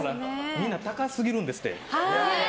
みんな高すぎるんですって。